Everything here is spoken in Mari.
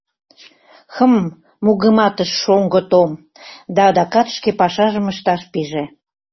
— Хм, — мугыматыш Шоҥго Том да адакат шке пашажым ышташ пиже.